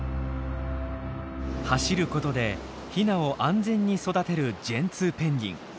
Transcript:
走ることでヒナを安全に育てるジェンツーペンギン。